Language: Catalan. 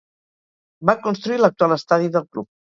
Va construir l'actual estadi del club.